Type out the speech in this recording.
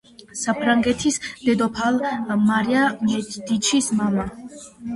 საფრანგეთის დედოფალ მარია მედიჩის მამა.